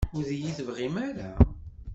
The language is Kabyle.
Ur d-iyi-tebɣim ara?